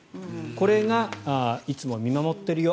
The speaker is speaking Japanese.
これがいつも見守ってるよ